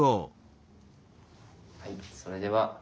はいそれでは。